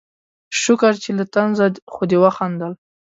شکر چې له طنزه خو دې وخندل